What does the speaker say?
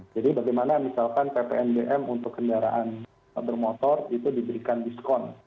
jadi bagaimana misalkan ppn dm untuk kendaraan bermotor itu diberikan diskon